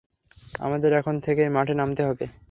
আমাদের এখন থেকেই মাঠে নামতে হবে।